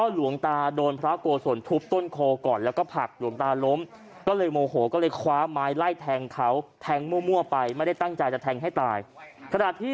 หลวงตาพาสอ้างแบบนี้